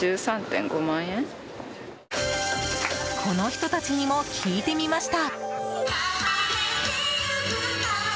この人たちにも聞いてみました。